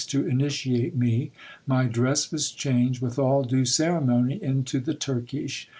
187 to initiate me. My dress was changed with all due ceremony into the Turkish.